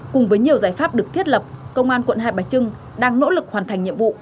cùng với nhiều giải pháp được thiết lập công an quận hai bà trưng đang nỗ lực hoàn thành nhiệm vụ